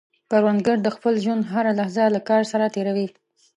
کروندګر د خپل ژوند هره لحظه له کار سره تېر وي